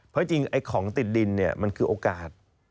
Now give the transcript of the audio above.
เพราะจริงของติดดินมันคือโอกาส